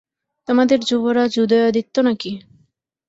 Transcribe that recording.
তোমাদের যুবরাজ উদয়াদিত্য নাকি?